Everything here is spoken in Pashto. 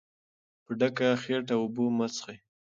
په ډکه خېټه اوبه مه څښئ.